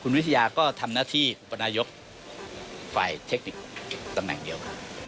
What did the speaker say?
วิทยาก็ทำหน้าที่อุปนายกฝ่ายเทคนิคตำแหน่งเดียวครับ